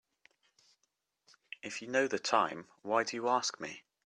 If you know the time why do you ask me?